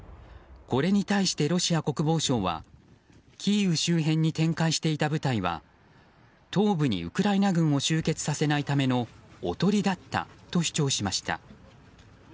これに対してロシア国防省はキーウ周辺に展開していた部隊は東部にウクライナ軍を集結させないためのおとりだったと主張しました。